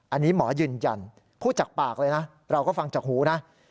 อันนี้หมอยืนยันพูดจากปากเลยนะเราก็ฟังจากหูนะ